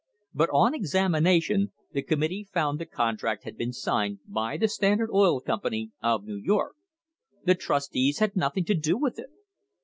But, on examination, the committee found the contract had been signed by the Standard Oil Company of New York. The trustees had nothing to do with it!